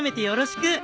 よろしく。